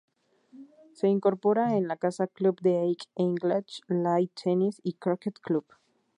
Se incorpora en la casa club del All England Lawn Tennis y Croquet Club.